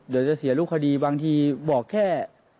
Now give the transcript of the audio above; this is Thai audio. เดี๋ยวจะเสียรูปคดีบางทีบอกแค่